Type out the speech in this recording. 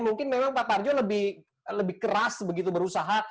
mungkin memang pak parjo lebih keras begitu berusaha